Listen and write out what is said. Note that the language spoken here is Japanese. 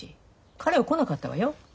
彼は来なかったわよ。